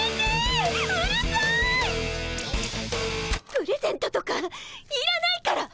プレゼントとかいらないから！